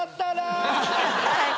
はい。